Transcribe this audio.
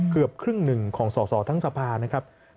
เกือบครึ่งหนึ่งของสอสอทั้งสภานะครับ